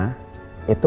berh except untuk tonton